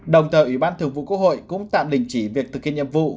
đồng thời ủy ban thường vụ quốc hội cũng tạm đình chỉ việc thực hiện nhiệm vụ